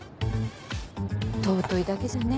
尊いだけじゃね